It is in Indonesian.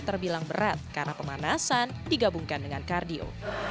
terbilang berat karena pemanasan digabungkan dengan kardio